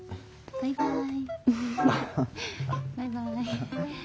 バイバイ。